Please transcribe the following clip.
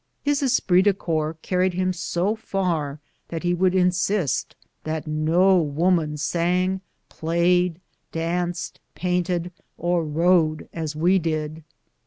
His esprit de corps carried him so far that he would insist that no women sang, played, danced, painted, or rode as we did